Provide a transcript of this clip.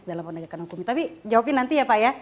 dalam penegakan hukumnya tapi jawabin nanti ya pak ya